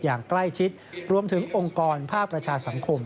อย่างใกล้ชิดรวมถึงองค์กรภาคประชาสังคม